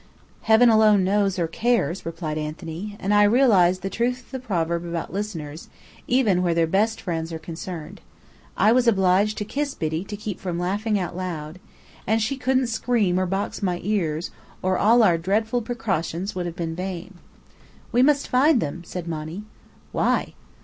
"Heaven alone knows or cares," replied Anthony. And I realized the truth of the proverb about listeners, even where their best friends are concerned. I was obliged to kiss Biddy to keep from laughing out loud. And she couldn't scream or box my ears, or all our dreadful precautions would have been vain. "We must find them," said Monny. "Why?"